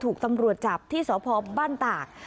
ถูกตำรวจจับที่สพบ้านตาก